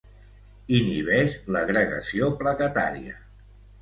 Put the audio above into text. Inhibeix l'agregació plaquetària.